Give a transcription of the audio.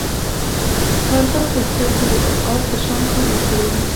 کارغه غوښتل چې د عقاب په شان کار وکړي.